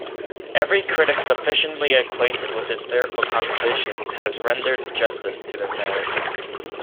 Every critic sufficiently acquainted with his lyrical compositions has rendered justice to their merit.